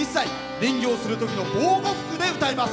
林業をするときの防護服で歌います。